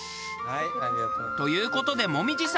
という事で紅葉さんも。